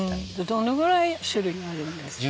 どのぐらい種類があるんですか？